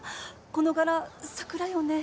この柄桜よね？